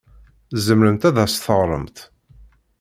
Tzemremt ad as-teɣremt?